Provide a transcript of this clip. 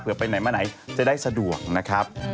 เพื่อไปไหนมาไหนจะได้สะดวกนะครับ